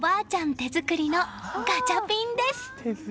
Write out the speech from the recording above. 手作りのガチャピンです。